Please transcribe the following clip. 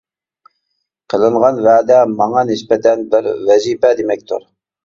قىلىنغان ۋەدە ماڭا نىسبەتەن بىر ۋەزىپە دېمەكتۇر.